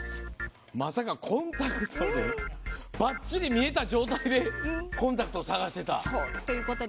まさか、コンタクトでばっちり見えた状態でコンタクト探してた。